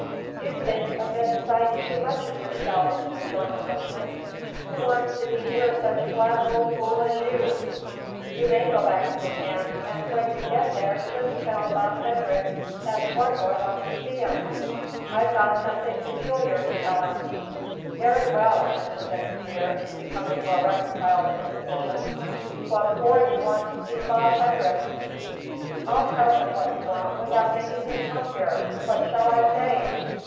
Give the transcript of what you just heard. "You think a big sight too much of yourself," rejoined the Bushman. "Who wants to be near such a black ole fool as you? You may go back to the camp, and when you get there jus' tell Baas Hendrik that Swartboy wants to see him. I've got something particular to tell him." "Very well," answered the Kaffir, becoming more reconciled to his position; "what for you want see Baas Hendrik? I'll tell him what you want without making him come here. What shall I say?"